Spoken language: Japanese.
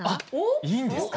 いいんですか？